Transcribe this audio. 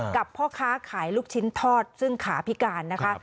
พ่อค้าขายลูกชิ้นทอดซึ่งขาพิการนะคะ